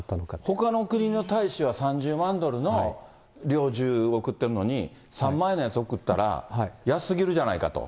ほかの国の大使は３０万ドルの猟銃を贈ってるのに、３万円のやつおくったら、安すぎるじゃないかと。